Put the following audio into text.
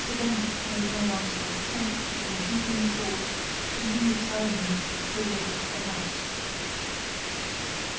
Mr. Bennet made no answer; and each of them, deep in thought, continued silent till they reached the house.